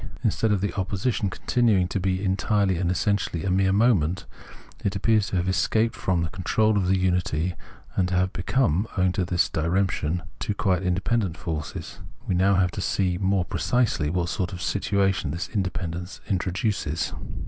Instead of the opposition continuing to be entirely and essentially a mere mo ment, it appears to have escaped from the control of the unity and to have become, owing to this diremp tion, two quite independent forces. We have now to see more precisely what sort of situation this inde pendence introduces.